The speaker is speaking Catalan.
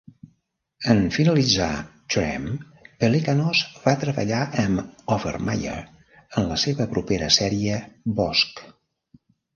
En finalitzar "Treme", Pelecanos va treballar amb "Overmyer" en la seva propera sèrie "Bosch".